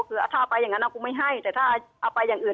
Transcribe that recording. คือถ้าไปอย่างนั้นกูไม่ให้แต่ถ้าเอาไปอย่างอื่น